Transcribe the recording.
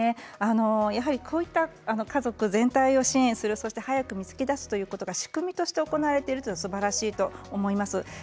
やはりこういった家族全体を支援する早く見つけ出すということが仕組みとして行われているのはすばらしいと思います。